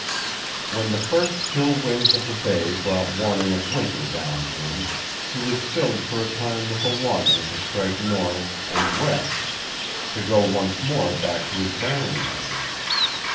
When the first chill winds of the bay brought warning of winter down to him he was filled for a time with a longing to strike north and WEST, to go once more back to his Barren Lands.